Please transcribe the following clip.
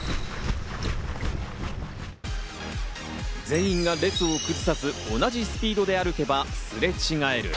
全員が列を崩さず、同じスピードで歩けば、すれ違える。